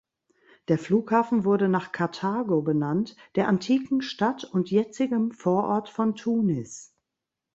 Der Flughafen wurde nach Karthago benannt, der antiken Stadt und jetzigem Vorort von Tunis.